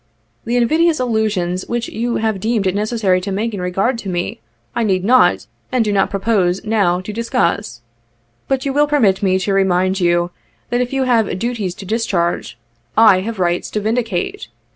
The invidious allusions which you have deemed it necessary to make in regard to me, I need not, and do not propose, now, to discuss. But you will permit me to remind you that if you have duties to discharge, I have rights to vindicate.